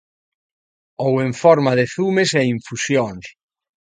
Ou en forma de zumes e infusións.